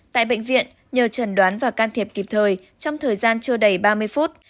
tại bệnh viện nhờ trần đoán và can thiệp kịp thời trong thời gian chưa đầy ba mươi phút